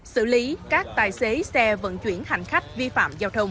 xử lý các tài xế xe vận chuyển hành khách vi phạm giao thông